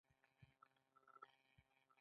د رقیب دېرې ته مـــخامخ ولاړ یـــم